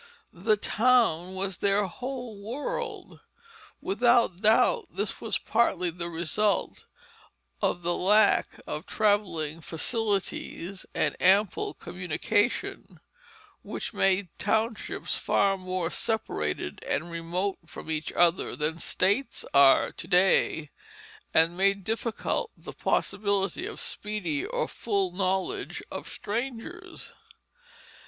The town was their whole world. Without doubt this was partly the result of the lack of travelling facilities and ample communication, which made townships far more separated and remote from each other than states are to day, and made difficult the possibility of speedy or full knowledge of strangers.